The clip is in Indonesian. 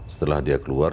setelah dia keluar